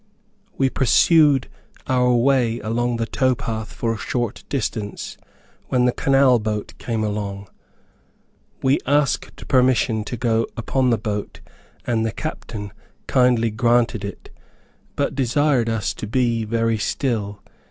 We pursued our way along the tow path for a short distance, when the canal boat came along. We asked permission to go upon the boat, and the captain kindly granted it, but desired us to be very still.